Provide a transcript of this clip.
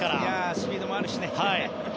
スピードもあるしね。